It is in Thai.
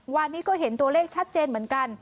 วันนี้ก็เห็นตัวเลขชัดเจนเหมือนกัน